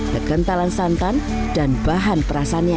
kekentalan santan dan bahan perasannya